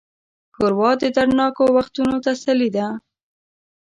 ښوروا د دردناکو وختونو تسلي ده.